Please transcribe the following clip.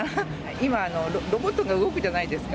今はロボットが動くじゃないですか。